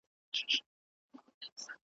برج دي تر آسمانه، سپي دي له لوږي مري